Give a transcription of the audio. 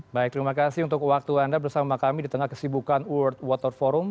baik terima kasih untuk waktu anda bersama kami di tengah kesibukan world water forum